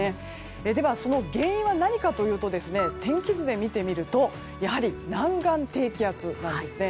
では、その原因は何かといいますと天気図で見てみるとやはり南岸低気圧なんですね。